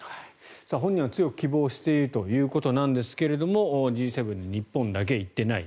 本人は強く希望しているということなんですがＧ７に日本だけ行っていない。